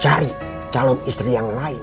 cari calon istri yang lain